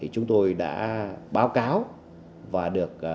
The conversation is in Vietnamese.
chúng tôi đã báo cáo và được